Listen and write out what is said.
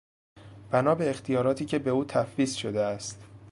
بنابه اختیاراتی که به او تفویض شده است